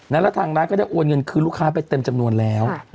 แล้วทางร้านก็ได้โอนเงินคืนลูกค้าไปเต็มจำนวนแล้ว